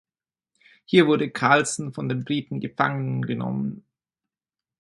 Hier wurde Carlsen von den Briten gefangen genommen.